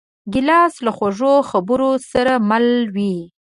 ګیلاس له خوږو خبرو سره مل وي.